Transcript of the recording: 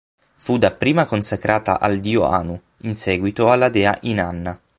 Fu dapprima consacrata al dio Anu, in seguito alla dea Inanna.